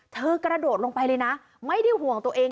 กระโดดลงไปเลยนะไม่ได้ห่วงตัวเอง